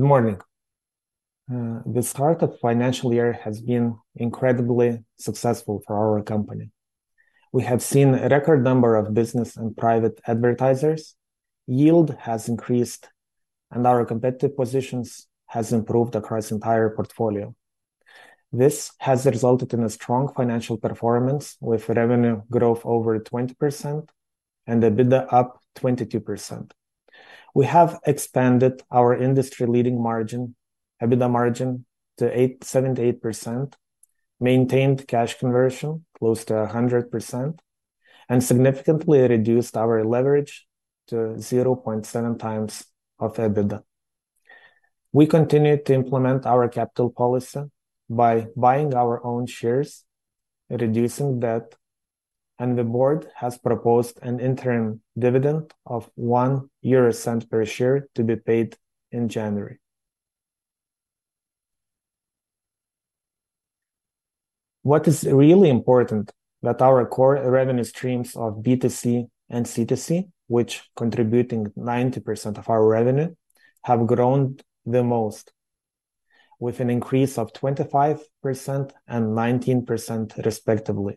Good morning. The start of financial year has been incredibly successful for our company. We have seen a record number of business and private advertisers. Yield has increased, and our competitive positions has improved across entire portfolio. This has resulted in a strong financial performance, with revenue growth over 20% and EBITDA up 22%. We have expanded our industry-leading margin, EBITDA margin, to 78%, maintained cash conversion close to 100%, and significantly reduced our leverage to 0.7 times of EBITDA. We continued to implement our capital policy by buying our own shares and reducing debt, and the board has proposed an interim dividend of 0.01 per share to be paid in January. What is really important that our core revenue streams of B2C and C2C, which contributing 90% of our revenue, have grown the most, with an increase of 25% and 19% respectively.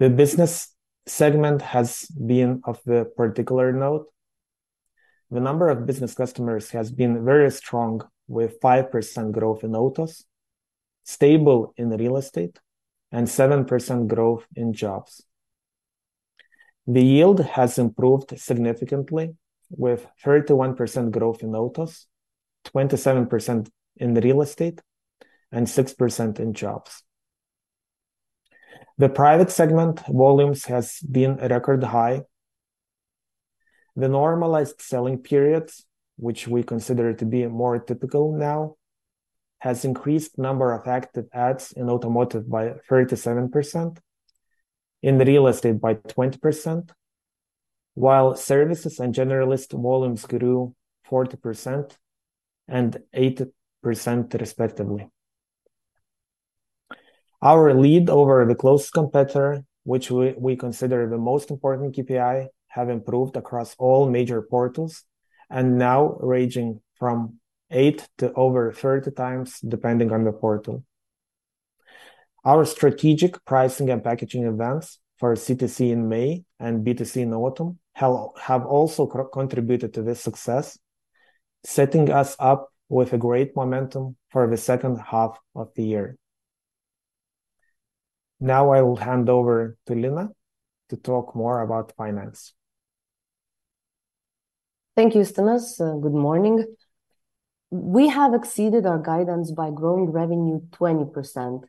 The business segment has been of a particular note. The number of business customers has been very strong, with 5% growth in Autos, stable in Real Estate, and 7% growth in Jobs. The yield has improved significantly, with 31% growth in Autos, 27% in Real Estate, and 6% in Jobs. The private segment volumes has been a record high. The normalized selling periods, which we consider to be more typical now, has increased number of active ads in Automotive by 37%, in Real Estate by 20%, while Services and Generalist volumes grew 40% and 80% respectively. Our lead over the closest competitor, which we consider the most important KPI, have improved across all major portals and now ranging from eight to over 30 times, depending on the portal. Our strategic pricing and packaging events for C2C in May and B2C in autumn have also co-contributed to this success, setting us up with a great momentum for the second half of the year. Now I will hand over to Lina to talk more about finance. Thank you, Simonas. Good morning. We have exceeded our guidance by growing revenue 20%.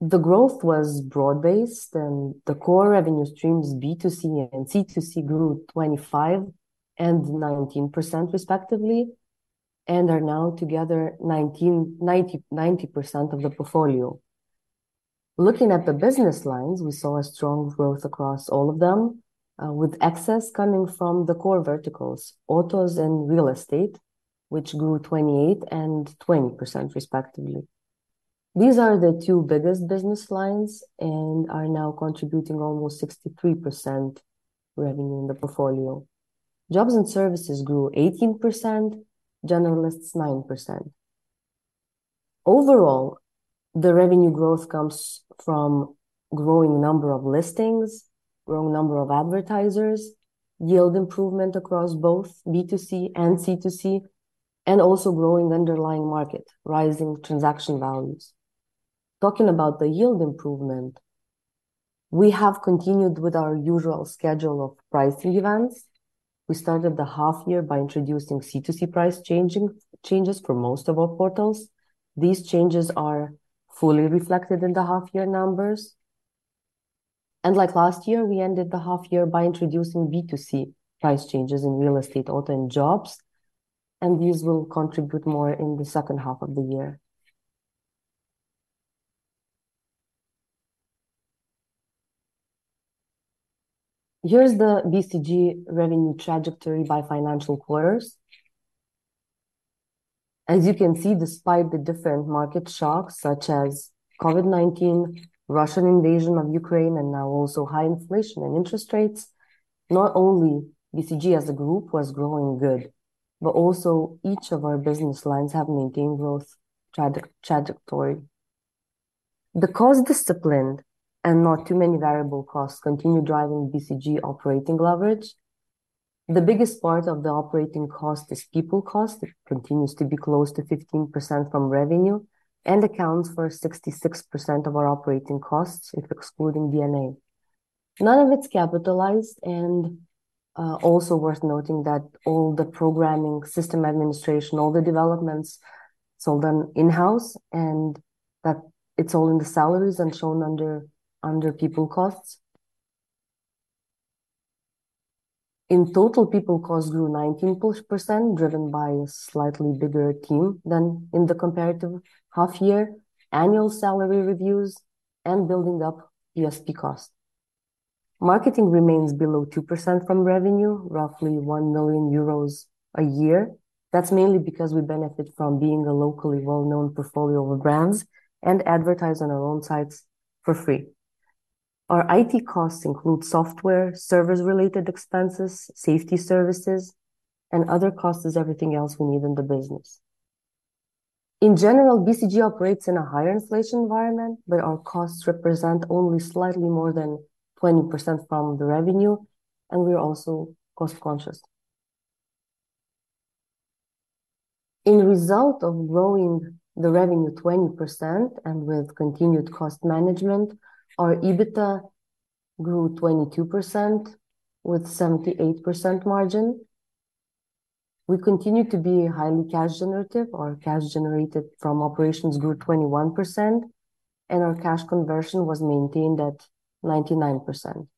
The growth was broad-based, and the core revenue streams, B2C and C2C, grew 25% and 19% respectively, and are now together 90% of the portfolio. Looking at the business lines, we saw a strong growth across all of them, with excess coming from the core verticals, Autos and Real Estate, which grew 28% and 20% respectively. These are the two biggest business lines and are now contributing almost 63% revenue in the portfolio. Jobs and Services grew 18%. Generalists, 9%. Overall, the revenue growth comes from growing number of listings, growing number of advertisers, yield improvement across both B2C and C2C, and also growing underlying market, rising transaction values. Talking about the yield improvement, we have continued with our usual schedule of pricing events. We started the half year by introducing C2C price changes for most of our portals. These changes are fully reflected in the half year numbers, and like last year, we ended the half year by introducing B2C price changes in Real Estate, Auto, and Jobs, and these will contribute more in the second half of the year. Here's the BCG revenue trajectory by financial quarters. As you can see, despite the different market shocks, such as COVID-19, Russian invasion of Ukraine, and now also high inflation and interest rates, not only BCG as a group was growing good, but also each of our business lines have maintained growth trajectory. The cost discipline, and not too many variable costs, continue driving BCG operating leverage. The biggest part of the operating cost is people cost. It continues to be close to 15% from revenue and accounts for 66% of our operating costs, if excluding D&A. None of it's capitalized, and also worth noting that all the programming, system administration, all the developments, it's all done in-house, and that it's all in the salaries and shown under people costs. In total, people cost grew 19%, driven by a slightly bigger team than in the comparative half year, annual salary reviews, and building up ESP cost. Marketing remains below 2% from revenue, roughly 1 million euros a year. That's mainly because we benefit from being a locally well-known portfolio of brands and advertise on our own sites for free. Our IT costs include software, service-related expenses, safety services, and other costs is everything else we need in the business. In general, BCG operates in a higher inflation environment, but our costs represent only slightly more than 20% from the revenue, and we're also cost-conscious. In result of growing the revenue 20% and with continued cost management, our EBITDA grew 22%, with 78% margin. We continue to be highly cash generative. Our cash generated from operations grew 21%, and our cash conversion was maintained at 99%.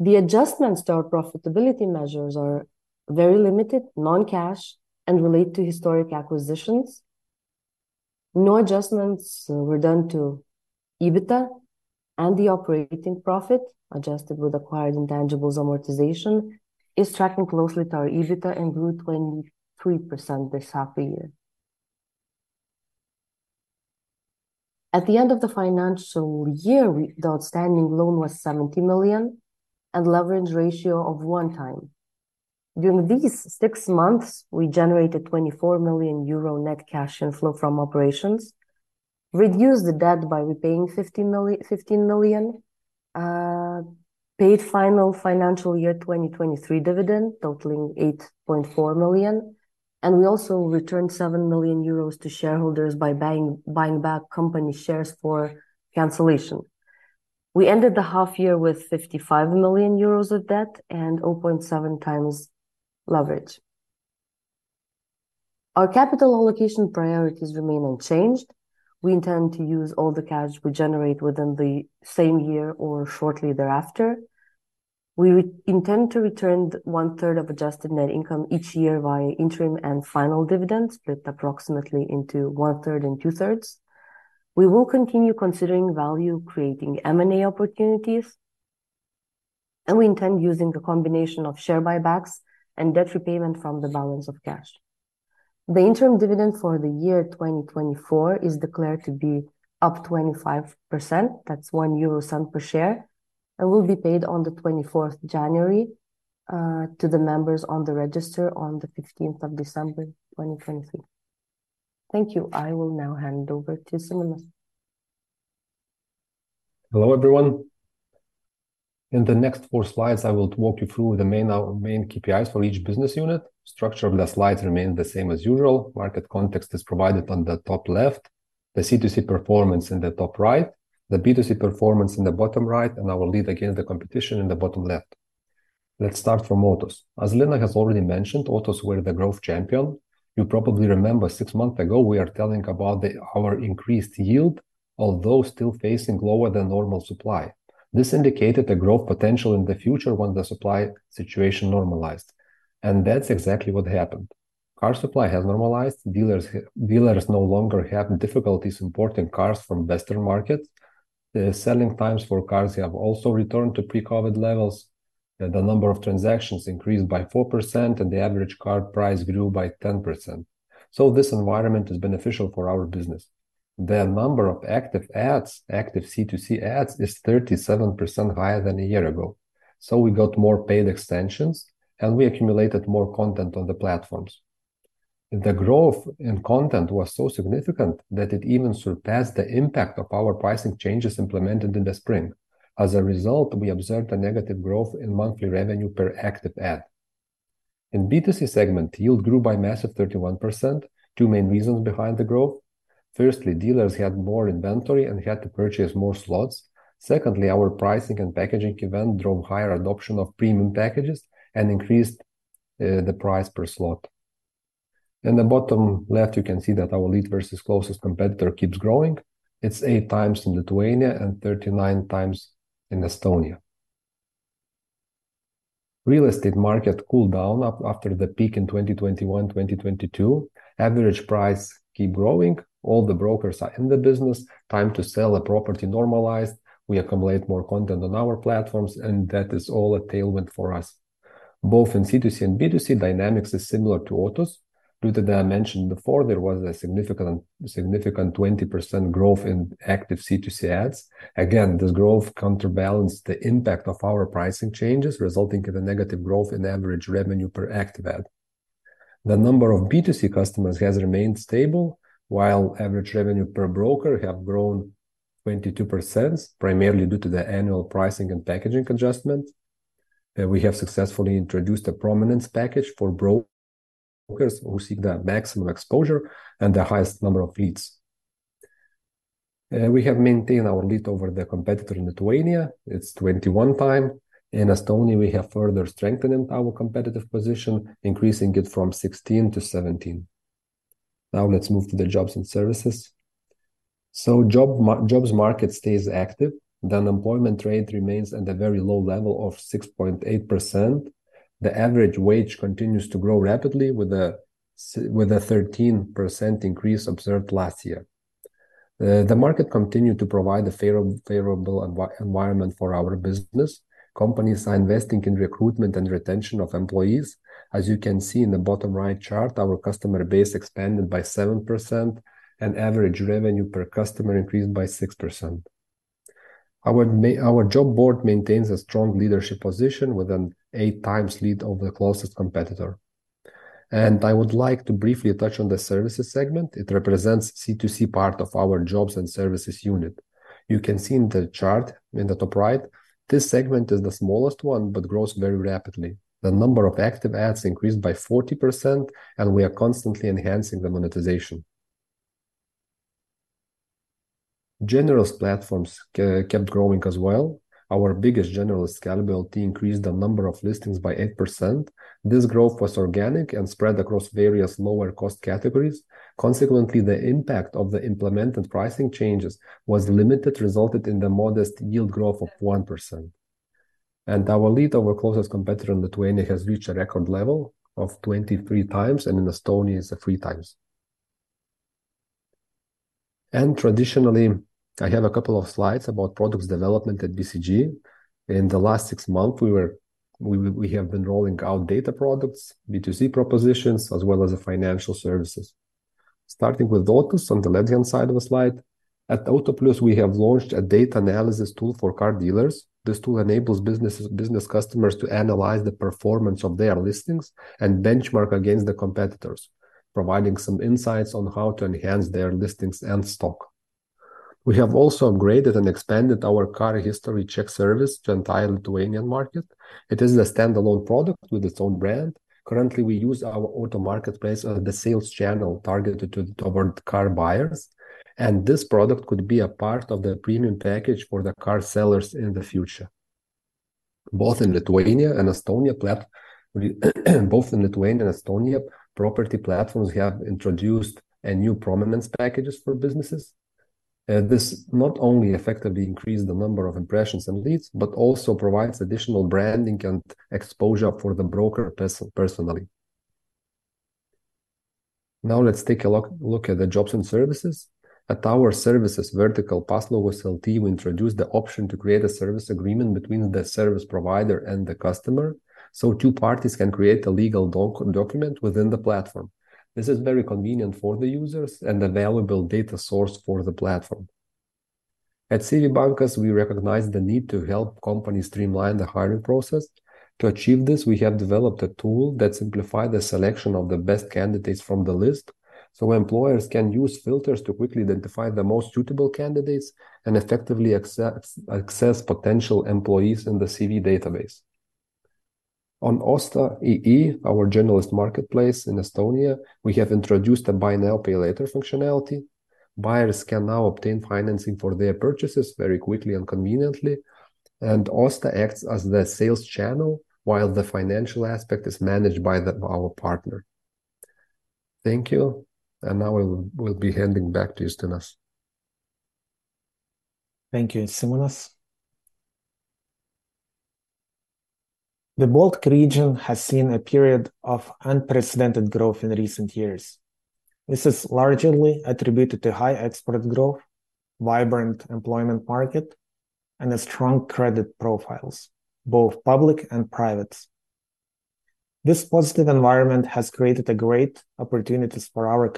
The adjustments to our profitability measures are very limited, non-cash, and relate to historic acquisitions. No adjustments were done to EBITDA, and the operating profit, adjusted with acquired intangibles amortization, is tracking closely to our EBITDA and grew 23% this half a year. At the end of the financial year, the outstanding loan was 70 million and leverage ratio of 1x. During these six months, we generated 24 million euro net cash inflow from operations, reduced the debt by repaying 50 million-- 15 million, paid final financial year 2023 dividend totaling 8.4 million, and we also returned 7 million euros to shareholders by buying, buying back company shares for cancellation. We ended the half year with 55 million euros of debt and 0.7 times leverage. Our capital allocation priorities remain unchanged. We intend to use all the cash we generate within the same year or shortly thereafter. We would intend to return one third of adjusted net income each year via interim and final dividend, split approximately into one third and two thirds. We will continue considering value-creating M&A opportunities, and we intend using a combination of share buybacks and debt repayment from the balance of cash. The interim dividend for the year 2024 is declared to be up 25%, that's 0.01 euro per share, and will be paid on the 24th January to the members on the register on the 15th of December 2023. Thank you. I will now hand over to Simonas. Hello, everyone. In the next four slides, I will walk you through the main KPIs for each business unit. Structure of the slides remain the same as usual. Market context is provided on the top left, the C2C performance in the top right, the B2C performance in the bottom right, and our lead against the competition in the bottom left. Let's start from Autos. As Lina has already mentioned, Autos were the growth champion. You probably remember six months ago, we are telling about the-- our increased yield, although still facing lower than normal supply. This indicated a growth potential in the future when the supply situation normalized, and that's exactly what happened. Car supply has normalized. Dealers no longer have difficulties importing cars from western markets. The selling times for cars have also returned to pre-COVID levels, and the number of transactions increased by 4%, and the average car price grew by 10%. So this environment is beneficial for our business. The number of active ads, active C2C ads, is 37% higher than a year ago. So we got more paid extensions, and we accumulated more content on the platforms. The growth in content was so significant that it even surpassed the impact of our pricing changes implemented in the spring. As a result, we observed a negative growth in monthly revenue per active ad. In B2C segment, yield grew by massive 31%. Two main reasons behind the growth: firstly, dealers had more inventory and had to purchase more slots. Secondly, our pricing and packaging event drove higher adoption of premium packages and increased the price per slot. In the bottom left, you can see that our lead versus closest competitor keeps growing. It's eight times in Lithuania and 39 times in Estonia. Real estate market cooled down after the peak in 2021, 2022. Average price keep growing. All the brokers are in the business. Time to sell a property normalized. We accumulate more content on our platforms, and that is all a tailwind for us. Both in C2C and B2C, dynamics is similar to Autos. Due to that, I mentioned before, there was a significant, significant 20% growth in active C2C ads. Again, this growth counterbalanced the impact of our pricing changes, resulting in a negative growth in average revenue per active ad. The number of B2C customers has remained stable, while average revenue per broker have grown 22%, primarily due to the annual pricing and packaging adjustment. We have successfully introduced a prominence package for brokers who seek the maximum exposure and the highest number of leads. We have maintained our lead over the competitor in Lithuania. It's 21 times. In Estonia, we have further strengthened our competitive position, increasing it from 16-17. Now, let's move to the jobs and services. Jobs market stays active. The unemployment rate remains at a very low level of 6.8%. The average wage continues to grow rapidly, with a 13% increase observed last year. The market continued to provide a favorable environment for our business. Companies are investing in recruitment and retention of employees. As you can see in the bottom right chart, our customer base expanded by 7%, and average revenue per customer increased by 6%. Our job board maintains a strong leadership position with an eight times lead over the closest competitor. And I would like to briefly touch on the services segment. It represents C2C part of our jobs and services unit. You can see in the chart in the top right, this segment is the smallest one, but grows very rapidly. The number of active ads increased by 40%, and we are constantly enhancing the monetization. General platforms kept growing as well. Our biggest generalist, Skelbiu.lt, increased the number of listings by 8%. This growth was organic and spread across various lower cost categories. Consequently, the impact of the implemented pricing changes was limited, resulted in the modest yield growth of 1%. And our lead over closest competitor in Lithuania has reached a record level of 23 times, and in Estonia, it's three times. Traditionally, I have a couple of slides about product development at BCG. In the last six months, we have been rolling out data products, B2C propositions, as well as the financial services. Starting with Autoplius.lt on the left-hand side of the slide, at Autoplius.lt, we have launched a data analysis tool for car dealers. This tool enables business customers to analyze the performance of their listings and benchmark against the competitors, providing some insights on how to enhance their listings and stock. We have also upgraded and expanded our car history check service to the entire Lithuanian market. It is a standalone product with its own brand. Currently, we use our auto marketplace as the sales channel targeted toward car buyers, and this product could be a part of the premium package for the car sellers in the future. Both in Lithuania and Estonia, property platforms have introduced a new prominence packages for businesses. This not only effectively increased the number of impressions and leads, but also provides additional branding and exposure for the broker personally. Now let's take a look at the jobs and services. At our services vertical Paslaugos.lt, we introduced the option to create a service agreement between the service provider and the customer, so two parties can create a legal document within the platform. This is very convenient for the users and a valuable data source for the platform. At CVbankas.lt, we recognize the need to help companies streamline the hiring process. To achieve this, we have developed a tool that simplify the selection of the best candidates from the list, so employers can use filters to quickly identify the most suitable candidates and effectively access potential employees in the CV database. On Osta.ee, our generalist marketplace in Estonia, we have introduced a buy now, pay later functionality. Buyers can now obtain financing for their purchases very quickly and conveniently, and Osta acts as the sales channel, while the financial aspect is managed by our partner. Thank you, and now we'll be handing back to Justinas. Thank you, Simonas. The Baltic region has seen a period of unprecedented growth in recent years. This is largely attributed to high export growth, vibrant employment market, and a strong credit profiles, both public and private. This positive environment has created a great opportunities for our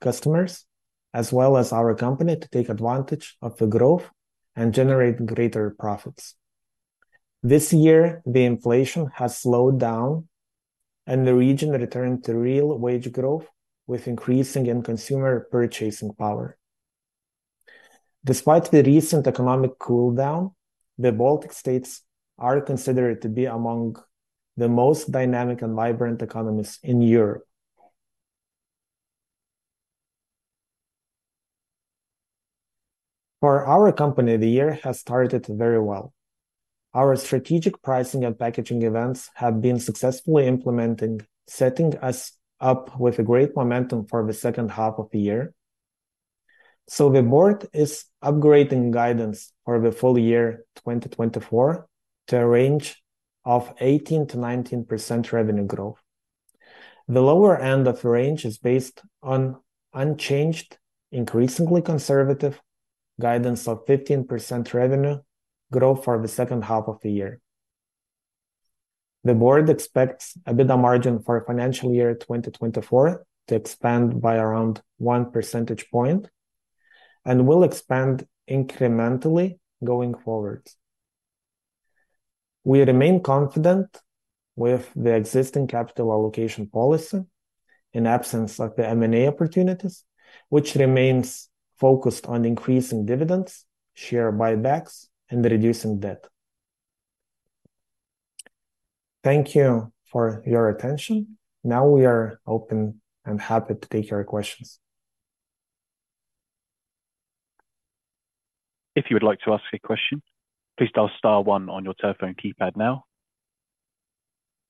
customers, as well as our company, to take advantage of the growth and generate greater profits. This year, the inflation has slowed down, and the region returned to real wage growth, with increasing in consumer purchasing power. Despite the recent economic cooldown, the Baltic States are considered to be among the most dynamic and vibrant economies in Europe. For our company, the year has started very well. Our strategic pricing and packaging events have been successfully implemented, setting us up with a great momentum for the second half of the year. So the board is upgrading guidance for the full year 2024 to a range of 18%-19% revenue growth. The lower end of the range is based on unchanged, increasingly conservative guidance of 15% revenue growth for the second half of the year. The board expects EBITDA margin for financial year 2024 to expand by around one percentage point and will expand incrementally going forward. We remain confident with the existing capital allocation policy in absence of the M&A opportunities, which remains focused on increasing dividends, share buybacks, and reducing debt. Thank you for your attention. Now we are open and happy to take your questions. If you would like to ask a question, please dial star one on your telephone keypad now,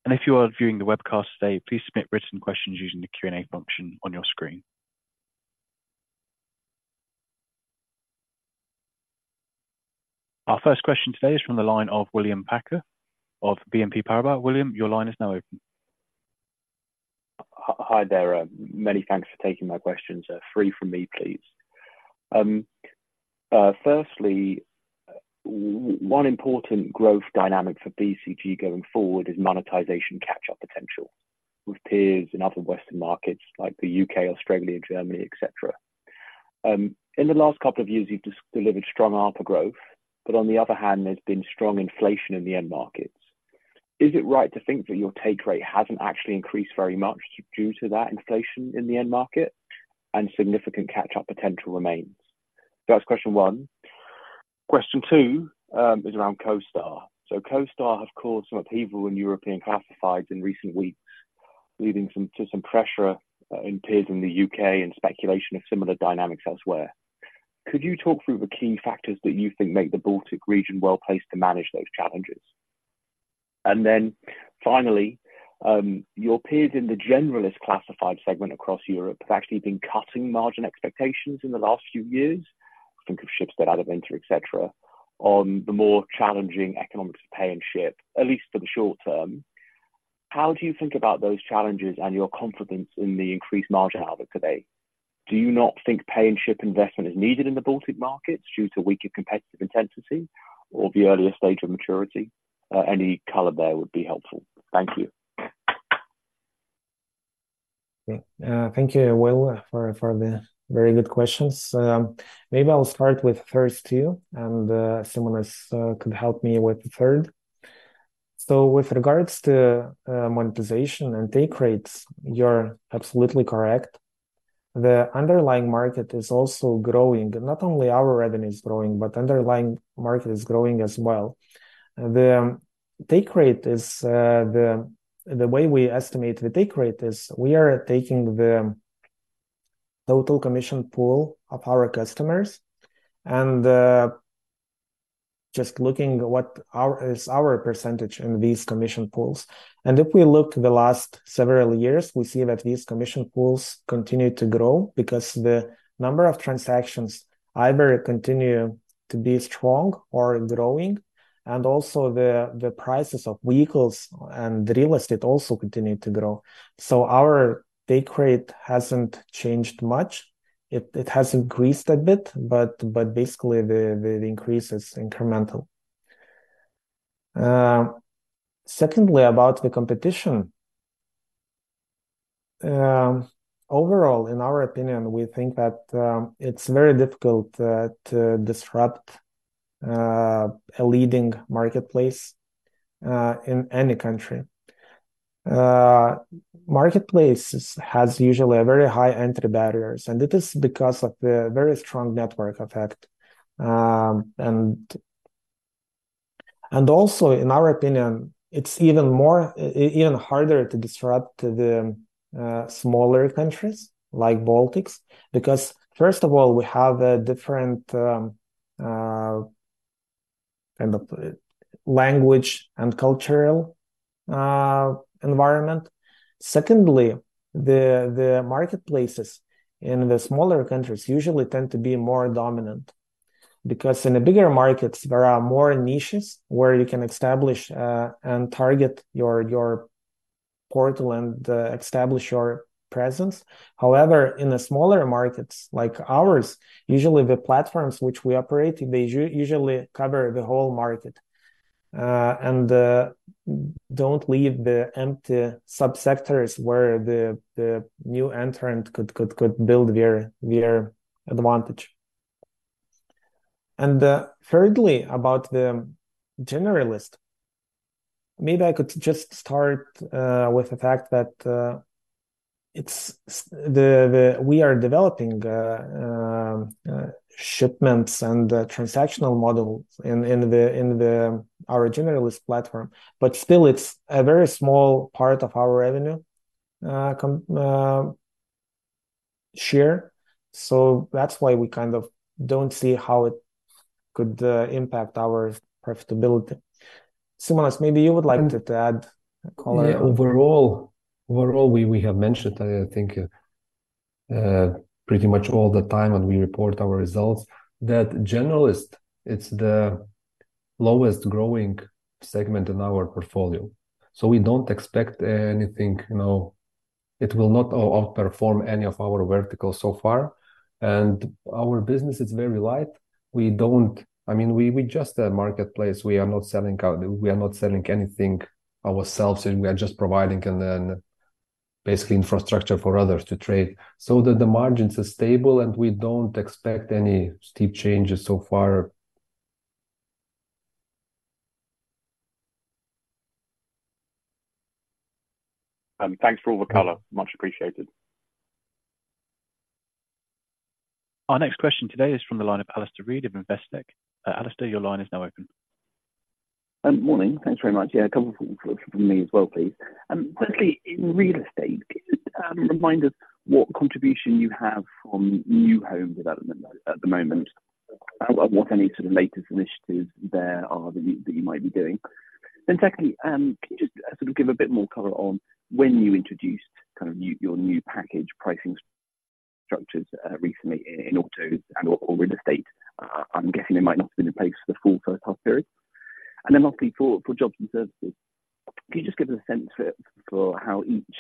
and if you are viewing the webcast today, please submit written questions using the Q&A function on your screen. Our first question today is from the line of William Packer of BNP Paribas. William, your line is now open. Hi there. Many thanks for taking my questions. Three from me, please. Firstly, one important growth dynamic for BCG going forward is monetization catch-up potential with peers in other Western markets like the UK, Australia, and Germany, et cetera. In the last couple of years, you've just delivered strong ARPA growth, but on the other hand, there's been strong inflation in the end markets. Is it right to think that your take rate hasn't actually increased very much due to that inflation in the end market and significant catch-up potential remains? That's question one. Question two is around CoStar. So CoStar has caused some upheaval in European classifieds in recent weeks, leading to some pressure in peers in the UK and speculation of similar dynamics elsewhere. Could you talk through the key factors that you think make the Baltic region well-placed to manage those challenges? And then finally, your peers in the generalist classified segment across Europe have actually been cutting margin expectations in the last few years. Think of Schibsted, Adevinta et cetera, on the more challenging economics of pay and ship, at least for the short term. How do you think about those challenges and your confidence in the increased margin outlook today? Do you not think pay and ship investment is needed in the Baltic markets due to weaker competitive intensity or the earlier stage of maturity? Any color there would be helpful. Thank you. Thank you, Will, for the very good questions. Maybe I'll start with first two, and Simonas could help me with the third. So with regards to monetization and take rate, you're absolutely correct. The underlying market is also growing, and not only our revenue is growing, but underlying market is growing as well. The take rate is the way we estimate the take rate is we are taking the total commission pool of our customers and just looking what our... is our percentage in these commission pools. And if we look the last several years, we see that these commission pools continue to grow because the number of transactions either continue to be strong or growing, and also the prices of vehicles and real estate also continue to grow. So our take rate hasn't changed much. It has increased a bit, but basically, the increase is incremental. Secondly, about the competition. Overall, in our opinion, we think that it's very difficult to disrupt a leading marketplace in any country. Marketplace has usually a very high entry barriers, and it is because of the very strong network effect. And also in our opinion, it's even harder to disrupt the smaller countries like Baltics, because first of all, we have a different kind of language and cultural environment. Secondly, the marketplaces in the smaller countries usually tend to be more dominant because in the bigger markets, there are more niches where you can establish and target your portal and establish your presence. However, in the smaller markets like ours, usually the platforms which we operate, they usually cover the whole market, and don't leave the empty subsectors where the new entrant could build their advantage. Thirdly, about the generalist. Maybe I could just start with the fact that it's. We are developing shipments and transactional models in our generalist platform, but still it's a very small part of our revenue share. So that's why we kind of don't see how it could impact our profitability. Simonas, maybe you would like to add color? Yeah. Overall, we have mentioned, I think, pretty much all the time when we report our results, that generalist is the lowest growing segment in our portfolio. So we don't expect anything, you know. It will not outperform any of our verticals so far. And our business is very light. We don't. I mean, we just a marketplace. We are not selling out, we are not selling anything ourselves. We are just providing and then basically infrastructure for others to trade. So the margins are stable, and we don't expect any steep changes so far. Thanks for all the color. Much appreciated. Our next question today is from the line of Alistair Reid of Investec. Alistair, your line is now open. Morning. Thanks very much. Yeah, a couple from me as well, please. Firstly, in Real Estate, remind us what contribution you have from new home development at the moment, and what any sort of latest initiatives there are that you might be doing? Then secondly, can you just sort of give a bit more color on when you introduced kind of new, your new package pricing structures recently in Autos and/or Real Estate? I'm guessing they might not have been in place for the full first half period. And then lastly, for Jobs & Services, can you just give us a sense for how each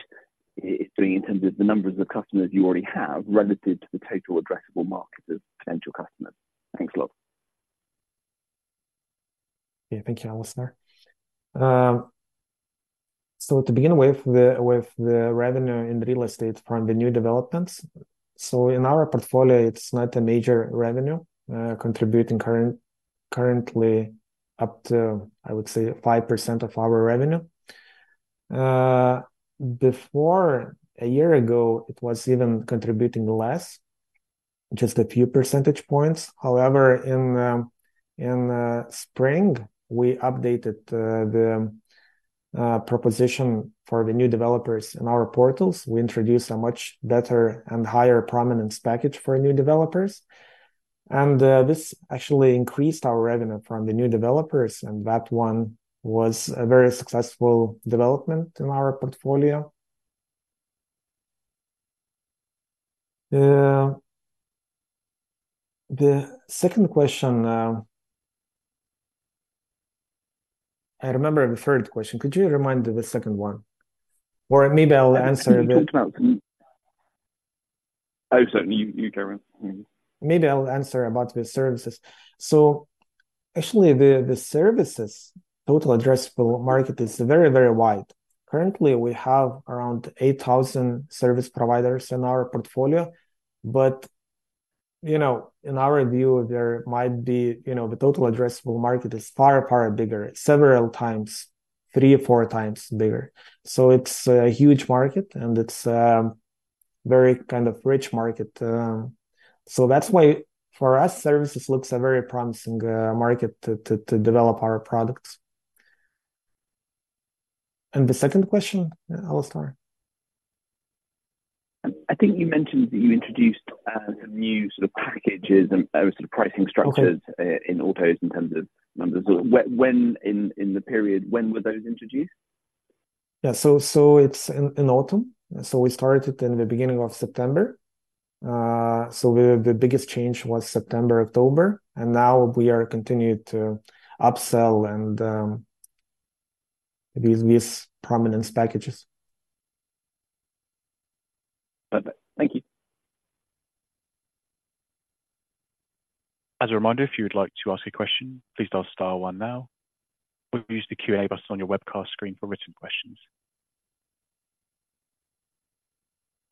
is doing in terms of the numbers of customers you already have relative to the total addressable market of potential customers? Thanks a lot.... Yeah, thank you, Alistair. So to begin with, with the revenue in real estate from the new developments. So in our portfolio, it's not a major revenue contributing currently up to, I would say, 5% of our revenue. Before, a year ago, it was even contributing less, just a few percentage points. However, in spring, we updated the proposition for the new developers in our portals. We introduced a much better and higher prominence package for new developers, and this actually increased our revenue from the new developers, and that one was a very successful development in our portfolio. The second question... I remember the third question. Could you remind the second one? Or maybe I'll answer the- Oh, certainly. You go ahead. Mm-hmm. Maybe I'll answer about the services. So actually, the services' total addressable market is very, very wide. Currently, we have around 8,000 service providers in our portfolio, but, you know, in our view, there might be, you know, the total addressable market is far, far bigger, several times, three or four times bigger. So it's a huge market, and it's a very kind of rich market, so that's why for us, services looks a very promising market to develop our products. And the second question, Alistair? I think you mentioned that you introduced some new sort of packages and sort of pricing structures- Okay. In autos in terms of numbers. When in the period were those introduced? Yeah. So it's in autumn. So we started in the beginning of September. So the biggest change was September, October, and now we are continuing to upsell and these prominence packages. Perfect. Thank you. As a reminder, if you would like to ask a question, please dial star one now, or use the Q&A button on your webcast screen for written questions.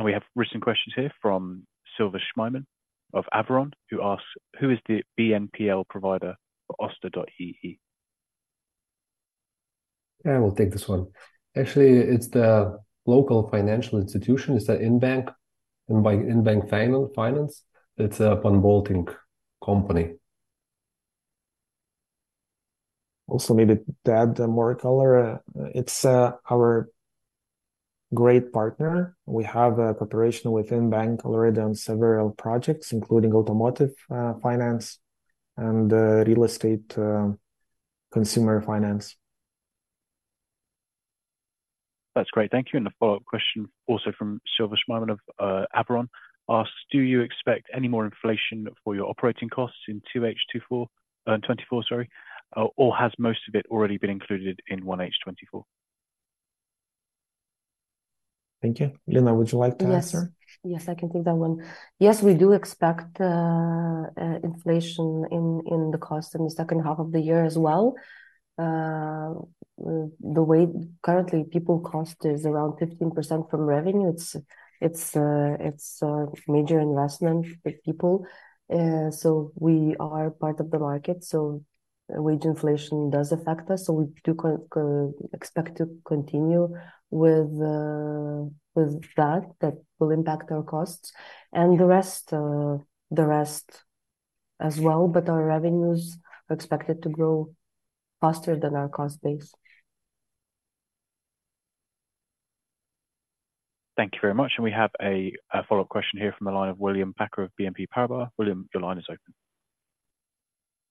We have written questions here from Silva Schmeiman of Avaron, who asks, "Who is the BNPL provider for Osta.ee? I will take this one. Actually, it's the local financial institution. It's the Inbank, Inbank finance. It's a BNPL company. Also, maybe to add more color, it's our great partner. We have a cooperation with Inbank already on several projects, including automotive finance and real estate consumer finance. That's great. Thank you. And the follow-up question, also from Silver Schmeiman of Avaron, asks, "Do you expect any more inflation for your operating costs in 2H 2024, 24, sorry, or has most of it already been included in 1H 2024? Thank you. Lina, would you like to answer? Yes. Yes, I can take that one. Yes, we do expect inflation in the cost in the second half of the year as well. Currently, people cost is around 15% from revenue. It's a major investment with people, so we are part of the market, so wage inflation does affect us, so we do expect to continue with that. That will impact our costs, and the rest as well, but our revenues are expected to grow faster than our cost base. Thank you very much, and we have a follow-up question here from the line of William Packer of BNP Paribas. William,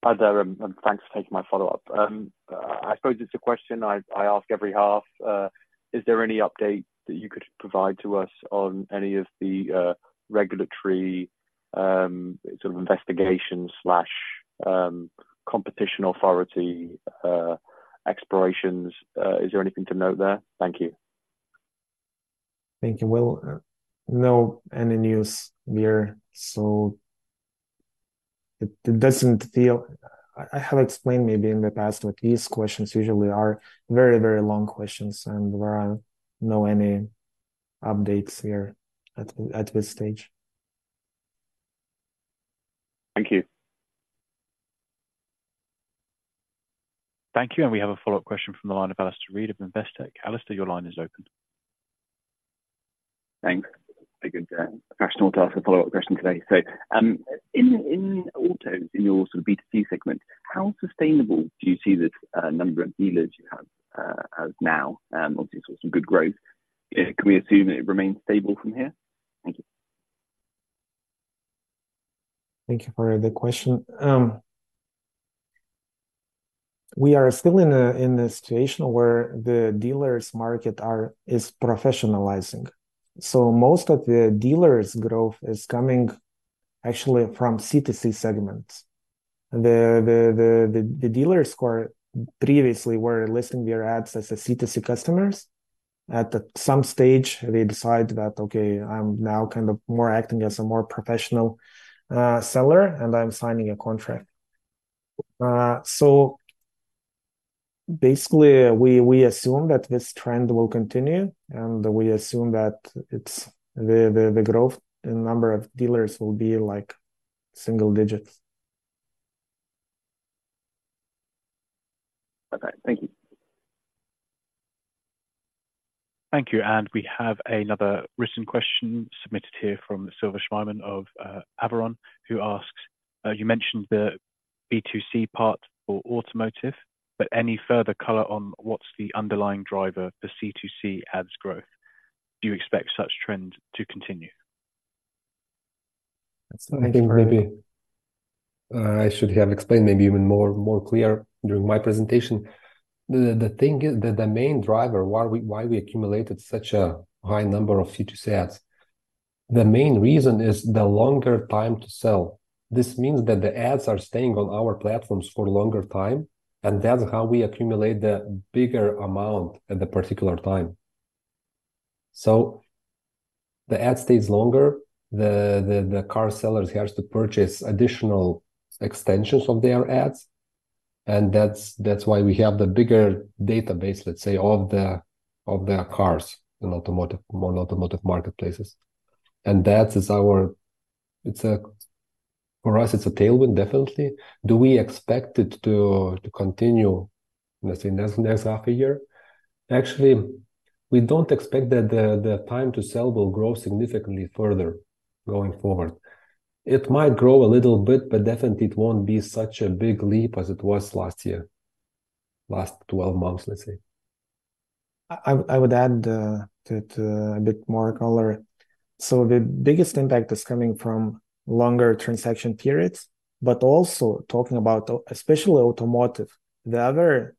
your line is open. Hi there, and thanks for taking my follow-up. I suppose it's a question I ask every half. Is there any update that you could provide to us on any of the, regulatory, sort of investigation slash, competition authority, explorations? Is there anything to note there? Thank you. Thank you. Will, no any news here, so it doesn't feel... I have explained maybe in the past, but these questions usually are very, very long questions, and there are no any updates here at this stage. Thank you. Thank you, and we have a follow-up question from the line of Alistair Reid of Investec. Alistair, your line is open. Thanks. Very good, professional to ask a follow-up question today. So, in autos, in your sort of B2C segment, how sustainable do you see this, number of dealers you have, as now? Obviously, you saw some good growth. Can we assume that it remains stable from here? Thank you. Thank you for the question. We are still in a situation where the dealers market is professionalizing. So most of the dealers' growth is coming actually from C2C segments. The dealers who previously were listing their ads as C2C customers at some stage, they decide that, "Okay, I'm now kind of more acting as a more professional seller, and I'm signing a contract." So basically, we assume that this trend will continue, and we assume that it's the growth in number of dealers will be like single digits. Okay. Thank you. Thank you, and we have another written question submitted here from Silver Schmeiman of Avaron, who asks, "you mentioned the B2C part for automotive, but any further color on what's the underlying driver for C2C ads growth? Do you expect such trends to continue? That's a very- I think maybe I should have explained maybe even more clear during my presentation. The thing is... The main driver why we accumulated such a high number of C2C ads, the main reason is the longer time to sell. This means that the ads are staying on our platforms for longer time, and that's how we accumulate the bigger amount at the particular time. So the ad stays longer, the car sellers has to purchase additional extensions of their ads, and that's why we have the bigger database, let's say, of the cars in automotive, more automotive marketplaces. And that is our- It's for us, it's a tailwind, definitely. Do we expect it to continue, let's say, next half a year? Actually, we don't expect that the time to sell will grow significantly further going forward. It might grow a little bit, but definitely it won't be such a big leap as it was last year, last twelve months, let's say. I would add to a bit more color. So the biggest impact is coming from longer transaction periods, but also talking about, especially automotive, the other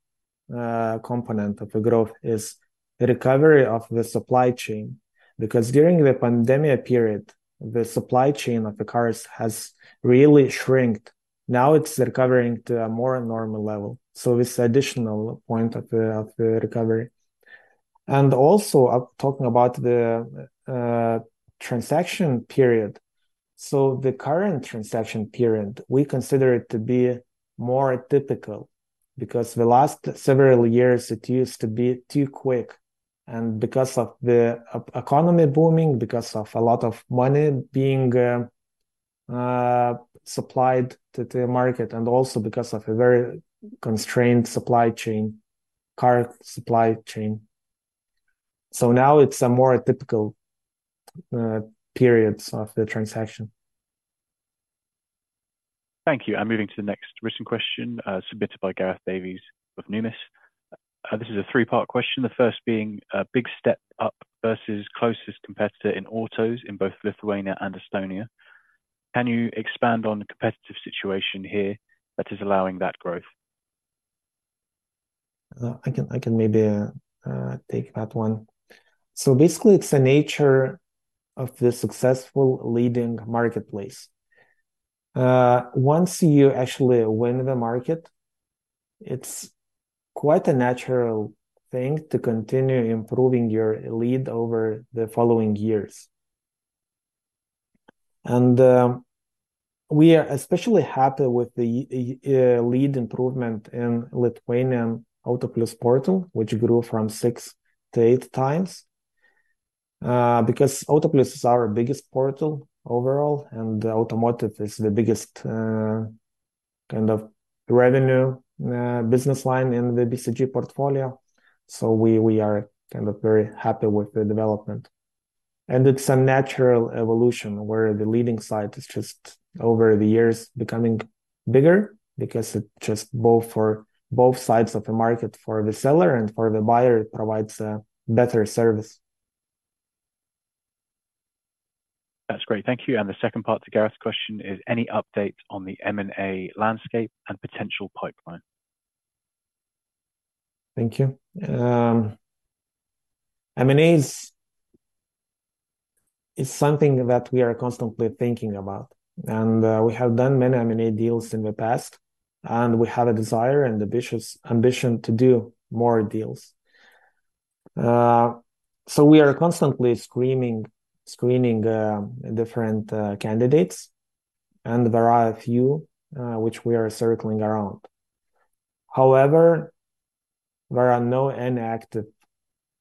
component of the growth is the recovery of the supply chain. Because during the pandemic period, the supply chain of the cars has really shrunk. Now it's recovering to a more normal level, so it's additional point of the recovery. And also, I'm talking about the transaction period. So the current transaction period, we consider it to be more typical, because the last several years, it used to be too quick, and because of the e-economy booming, because of a lot of money being supplied to the market, and also because of a very constrained supply chain, car supply chain. So now it's a more typical periods of the transaction. Thank you. I'm moving to the next written question, submitted by Gareth Davies of Numis. This is a three-part question. The first being: a big step up versus closest competitor in autos in both Lithuania and Estonia. Can you expand on the competitive situation here that is allowing that growth? I can maybe take that one. So basically, it's the nature of the successful leading marketplace. Once you actually win the market, it's quite a natural thing to continue improving your lead over the following years. And we are especially happy with the lead improvement in the Lithuanian Autoplius.lt portal, which grew from 6-8 times. Because Autoplius.lt is our biggest portal overall, and automotive is the biggest kind of revenue business line in the BCG portfolio, so we are kind of very happy with the development. And it's a natural evolution, where the leading site is just over the years becoming bigger because it's just both for both sides of the market. For the seller and for the buyer, it provides a better service. That's great. Thank you. And the second part to Gareth's question is: Any update on the M&A landscape and potential pipeline? Thank you. M&A is something that we are constantly thinking about, and we have done many M&A deals in the past, and we have a desire and ambitious ambition to do more deals. So we are constantly screening different candidates, and there are a few which we are circling around. However, there are no any active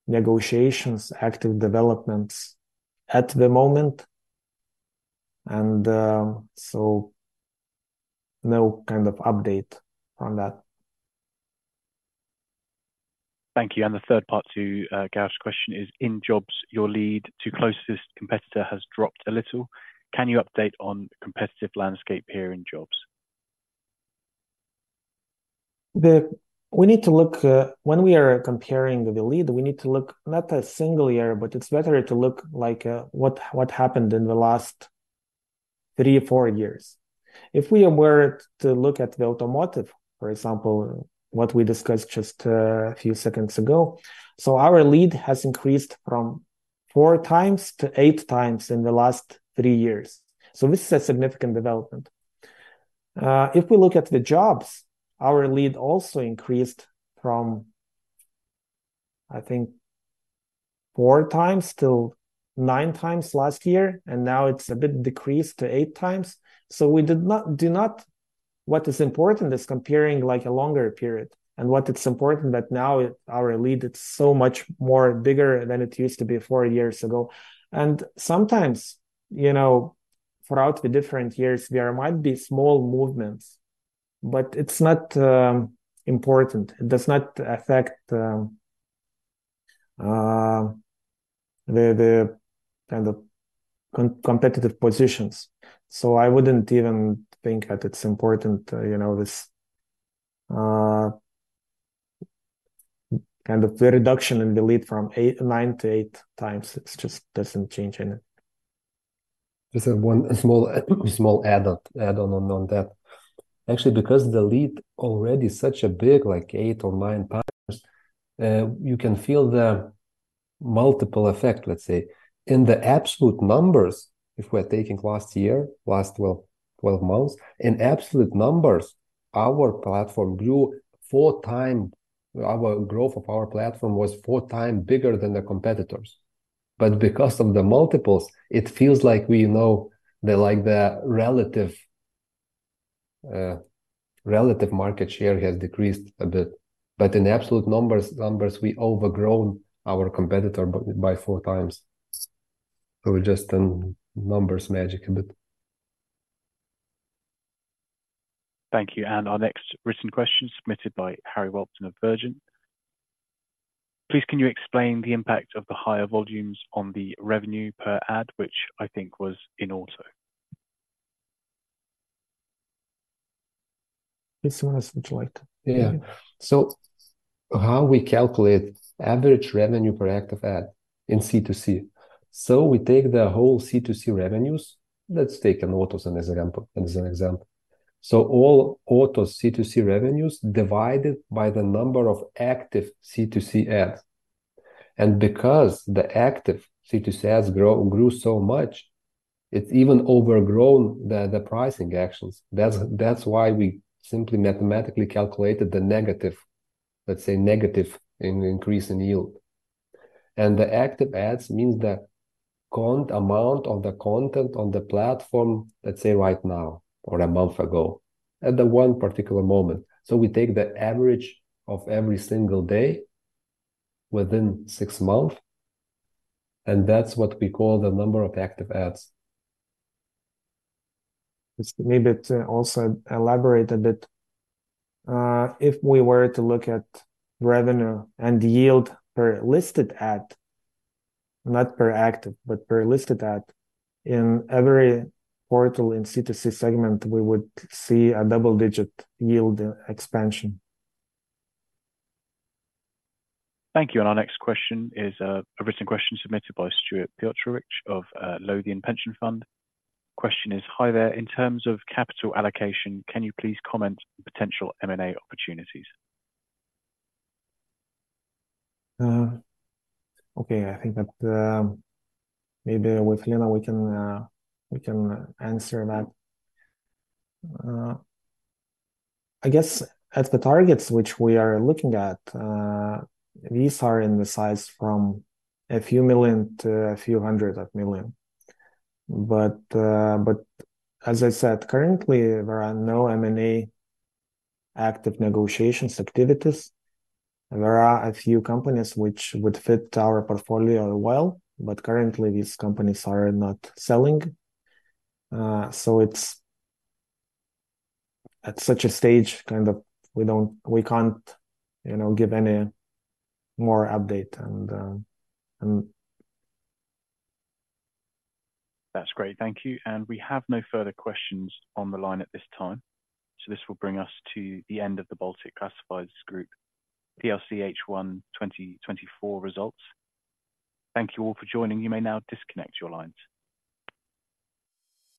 negotiations, active developments at the moment, and so no kind of update on that. Thank you. The third part to Gareth's question is: In jobs, your lead to closest competitor has dropped a little. Can you update on the competitive landscape here in jobs? We need to look, when we are comparing the lead, we need to look not a single year, but it's better to look, like, what happened in the last three, four years. If we were to look at the automotive, for example, what we discussed just a few seconds ago, so our lead has increased from-... 4x-8x in the last three years. So this is a significant development. If we look at the jobs, our lead also increased from, I think, 4x-9x last year, and now it's a bit decreased to 8x. What is important is comparing, like, a longer period, and what it's important that now our lead, it's so much more bigger than it used to be four years ago. And sometimes, you know, throughout the different years, there might be small movements, but it's not important. It does not affect the kind of competitive positions. So I wouldn't even think that it's important, you know, this kind of the reduction in the lead from eight, nine to 8x. It just doesn't change anything. Just one, a small add-on on that. Actually, because the lead already such a big, like eight or nine times, you can feel the multiple effect, let's say. In the absolute numbers, if we're taking last year, last 12 months, in absolute numbers, our platform grew four times. Our growth of our platform was four times bigger than the competitors. But because of the multiples, it feels like we know the, like, the relative market share has decreased a bit. But in absolute numbers, we overgrown our competitor by four times. So we're just in numbers magic a bit. Thank you. Our next written question, submitted by Harry Walton of Verition: Please, can you explain the impact of the higher volumes on the revenue per ad, which I think was in auto? This one, would you like to- Yeah. So how we calculate average revenue per active ad in C2C? So we take the whole C2C revenues. Let's take an autos as an example, as an example. So all auto C2C revenues divided by the number of active C2C ads. And because the active C2C ads grow, grew so much, it even overgrown the, the pricing actions. That's, that's why we simply mathematically calculated the negative, let's say, negative in increase in yield. And the active ads means the current amount of the content on the platform, let's say, right now or a month ago, at the one particular moment. So we take the average of every single day within six months, and that's what we call the number of active ads. Just maybe to also elaborate a bit, if we were to look at revenue and yield per listed ad, not per active, but per listed ad, in every portal in C2C segment, we would see a double-digit yield expansion. Thank you. Our next question is a written question submitted by Stuart Petrie of Lothian Pension Fund. Question is: Hi there. In terms of capital allocation, can you please comment on potential M&A opportunities? Okay, I think that, maybe with Lina, we can answer that. I guess at the targets which we are looking at, these are in the size from EUR a few million to EUR a few hundred million. But as I said, currently, there are no M&A active negotiations activities. There are a few companies which would fit our portfolio well, but currently, these companies are not selling. So it's at such a stage, kind of, we don't we can't, you know, give any more update and, and- That's great. Thank you. We have no further questions on the line at this time, so this will bring us to the end of the Baltic Classifieds Group PLC H1 2024 results. Thank you all for joining. You may now disconnect your lines.